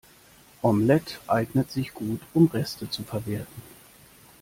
Omelette eignet sich gut, um Reste zu verwerten.